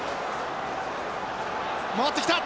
回ってきた！